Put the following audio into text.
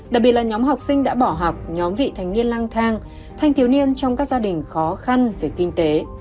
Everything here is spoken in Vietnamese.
đặc biệt là nhóm học sinh đã bỏ học nhóm vị thành niên lang thang thanh thiếu niên trong các gia đình khó khăn về kinh tế